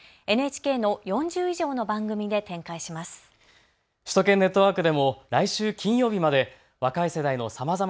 ＮＨＫの４０以上の番組で展開します。